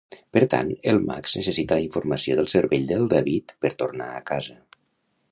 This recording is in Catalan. Per tant, el Max necessita la informació del cervell del David per tornar a casa.